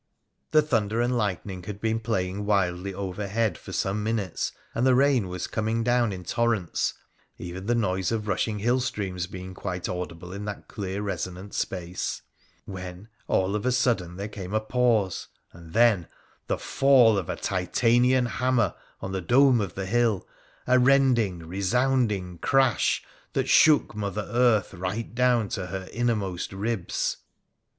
The thunder and lightning had been playing wildly over head for some minutes, and the rain was coming down in torrents (even the noise of rushing hill streams being quite audible in that clear resonant space), when, all of a sudden, there came a pause, and then the fall of a Titanian hammer on the dome of the hill, a rending, resounding crash that shook mother earth right down to her innermost ribs.